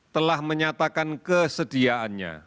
telah menyatakan kesediaannya